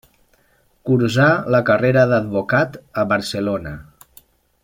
Cursà la carrera d'advocat a Barcelona.